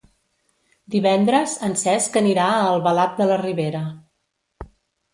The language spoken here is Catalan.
Divendres en Cesc anirà a Albalat de la Ribera.